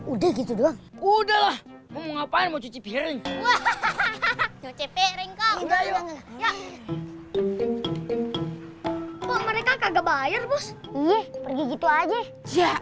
udah gitu udah ngapain mau cuci piring mereka kagak bayar bos iya pergi gitu aja ya